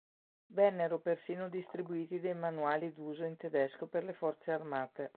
Vennero persino distribuiti dei manuali d'uso in tedesco per le forze armate.